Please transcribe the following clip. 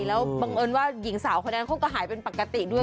แล้วบังเอิญว่าหญิงสาวคนนั้นเขาก็หายเป็นปกติด้วย